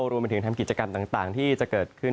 รวมไปถึงทำกิจกรรมต่างที่จะเกิดขึ้น